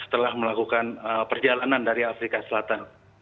setelah melakukan perjalanan dari afrika selatan